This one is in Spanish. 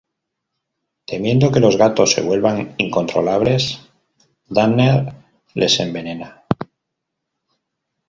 Temiendo que los gatos se vuelvan incontrolables Danner les envenena.